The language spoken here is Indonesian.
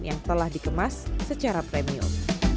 yang telah dikemas secara premium